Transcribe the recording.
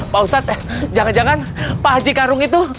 pak ustadz jangan jangan pak haji karung itu